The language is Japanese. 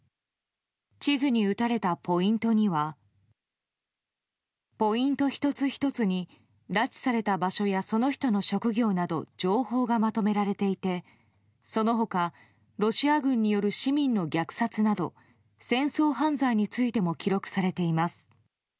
地図に打たれたポイントにはポイント１つ１つに拉致された場所やその人の職業など情報がまとめられていてその他、ロシア軍による市民の虐殺など戦争犯罪についても記録されています。